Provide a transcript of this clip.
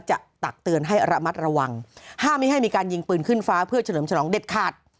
ตักเตือนให้ระมัดระวังห้ามไม่ให้มีการยิงปืนขึ้นฟ้าเพื่อเฉลิมฉลองเด็ดขาด